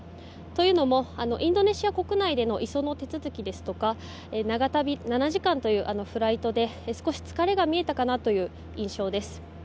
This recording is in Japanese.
というのもインドネシア国内での移送の手続きですとか７時間のフライトで少し疲れが見えたかなという印象です。